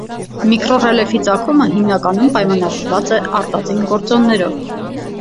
Միկրոռելիեֆի ծագումը հիմնականում պայմանավորված է արտածին գործոններով։